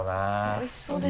おいしそうですね。